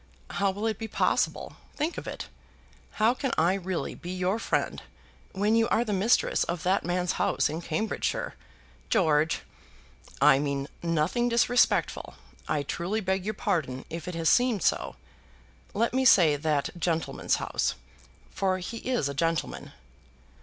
How will it be possible? Think of it. How can I really be your friend when you are the mistress of that man's house in Cambridgeshire?" "George!" "I mean nothing disrespectful. I truly beg your pardon if it has seemed so. Let me say that gentleman's house; for he is a gentleman."